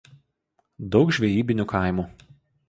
Daug žvejybinių kaimų.